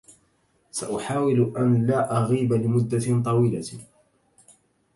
سأحاول أن لا أغيب لمدة طويلة.